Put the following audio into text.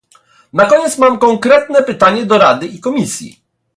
Na koniec mam konkretne pytanie do Rady i Komisji